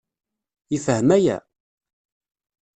Yefhem aya?